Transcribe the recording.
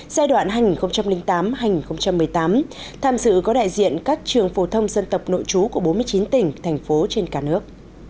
giai đoạn hai nghìn tám hai nghìn một mươi tám tham dự có đại diện các trường phổ thông dân tộc nội chú của bốn mươi chín tỉnh thành phố trên cả nước